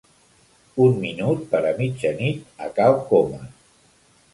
Un minut per a mitjanit a cal Comas.